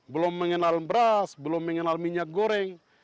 belum mengenal beras belum mengenal minyak goreng